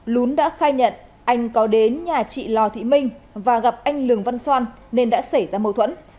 lún đã khai nhận anh có đến nhà chị lò thị minh và gặp anh lường văn xoan nên đã xảy ra mâu thuẫn